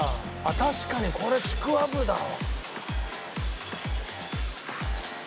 確かにこれちくわぶだわ。